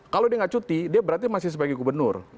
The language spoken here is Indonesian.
kalau dia nggak cuti dia berarti masih sebagai gubernur